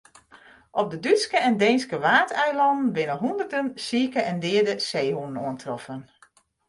Op de Dútske en Deenske Waadeilannen binne hûnderten sike en deade seehûnen oantroffen.